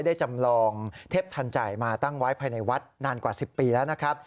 จำลองเทพทันใจมาตั้งไว้ภายในวัดนานกว่า๑๐ปีแล้วนะครับ